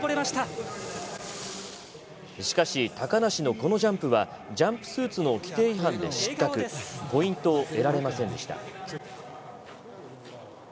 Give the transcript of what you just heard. しかし高梨のこのジャンプはジャンプスーツの規程違反で失格ポイントを得られませんでした。